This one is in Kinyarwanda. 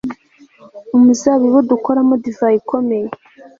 Umuzabibu dukoramo divayi ikomeye